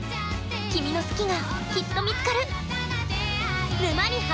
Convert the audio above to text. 君の「好き」がきっと見つかる！